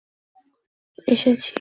তোমাকে বিদায় জানাতে এসেছি।